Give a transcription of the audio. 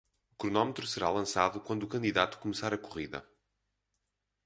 O cronômetro será lançado quando o candidato começar a corrida.